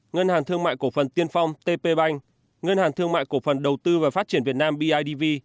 ngân hàng thương mại cổ phần tiên phong tp bank ngân hàng thương mại cổ phần đầu tư và phát triển việt nam bidv